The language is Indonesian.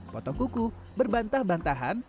potong kuku berbantah bantahan